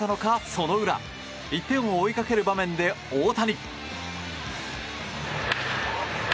その裏１点を追いかける場面で大谷。